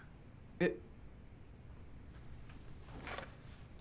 えっ？